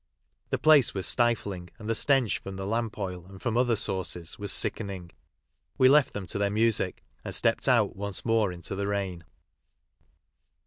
The place was stifling, and the stench from the lamp oil and from other sources was sickening. We left them to their music, and stepped out once more into the rain.